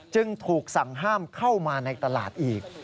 จึงถูกสั่งห้ามเข้ามาในตลาดอีก